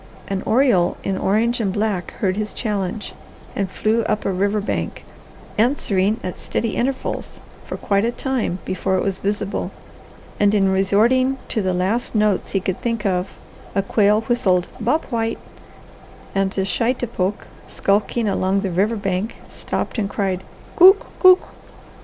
An oriole in orange and black heard his challenge, and flew up the river bank, answering at steady intervals for quite a time before it was visible, and in resorting to the last notes he could think of a quail whistled "Bob White" and a shitepoke, skulking along the river bank, stopped and cried, "Cowk, cowk!"